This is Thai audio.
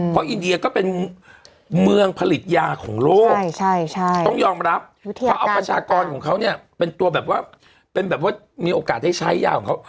เพราะอินเดียก็เป็นเมืองผลิตยาของโลกต้องยอมรับเขาเอาประชากรของเขาเนี่ยเป็นตัวแบบว่าเป็นแบบว่ามีโอกาสได้ใช้ยาของเขา